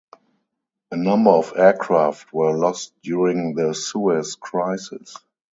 A number of aircraft were lost during the Suez crisis.